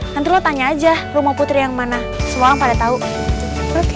nanti lo tanya aja rumah putri yang mana semuanya pada tahu oke